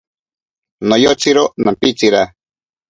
Noyotsiro nampitsira.